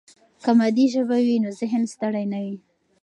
که مادي ژبه وي، نو ذهن ستړي نه وي.